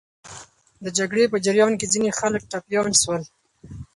د جګړې په جریان کې ځینې خلک ټپیان سول.